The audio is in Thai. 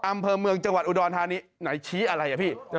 อำเภอเมืองจังหวัดอุดรธานีไหนชี้อะไรอ่ะพี่